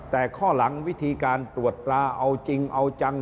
แต่ข้อหลังวิธีการตรวจปลาเอาจริงเอาจัง